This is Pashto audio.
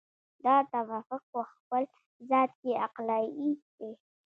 دا توافق په خپل ذات کې عقلایي دی.